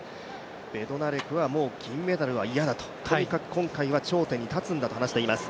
ベドナレクはもう銀メダルは嫌だと、とにかく今回は頂点に立つんだと話しています。